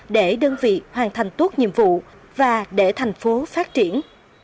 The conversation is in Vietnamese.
cho vị hoàn thành tốt nhiệm vụ và để thành phố phát triển